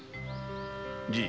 じい。